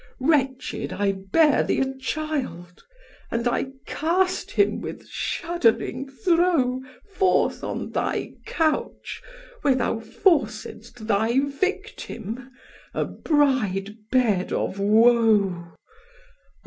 Wretched I bare thee a child, and I cast him with shuddering throe Forth on thy couch where thou forcedst thy victim, a bride bed of woe.